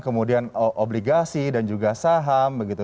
kemudian obligasi dan juga saham begitu